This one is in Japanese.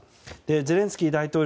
ゼレンスキー大統領